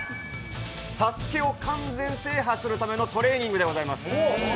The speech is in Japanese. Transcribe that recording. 「ＳＡＳＵＫＥ」を完全制覇するためのトレーニングでございます。